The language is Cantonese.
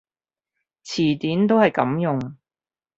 詞典都係噉用